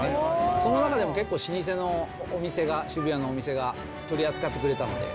その中でも結構老舗のお店が、渋谷のお店が取り扱ってくれたので。